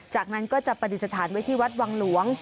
จากนั้นก็จะปฏิสถานไว้ที่วัดวังหลวง